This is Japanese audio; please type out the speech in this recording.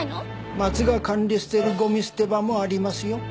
町が管理してるゴミ捨て場もありますよ。